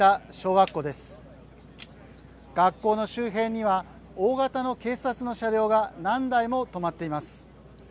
学校の周辺には大型の警察の車両が何台も止まっています。